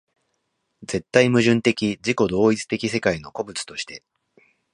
絶対矛盾的自己同一的世界の個物として